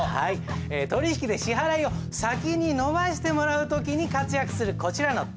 取引で支払いを先にのばしてもらう時に活躍するこちらの手形。